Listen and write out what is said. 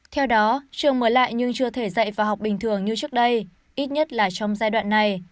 theo đó trường mới lại nhưng chưa thể dạy và học bình thường như trước đây ít nhất là trong giai đoạn này